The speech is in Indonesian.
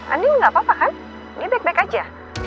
andien nggak apa apa kan ini back back aja